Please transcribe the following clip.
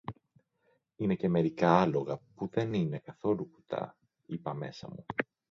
Είναι και μερικά άλογα που δεν είναι καθόλου κουτά, είπα μέσα μου.